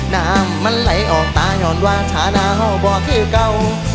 น้ำมันไหลออกตายอนวาชาดาวบ่อคือเก่า